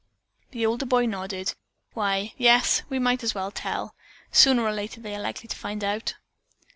The older boy nodded. "Why, yes, we might as well. Sooner or later they are likely to find it out."